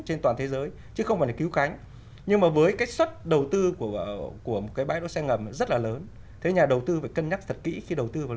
trên toàn thế giới chứ không phải là cứu khánh